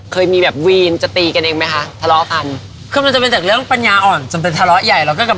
ก่อนที่เราจะไปสะลวนต่อนะคะ